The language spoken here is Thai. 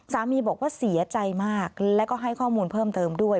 สามีบอกว่าเสียใจมากแล้วก็ให้ข้อมูลเพิ่มเติมด้วย